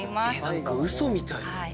何かウソみたい。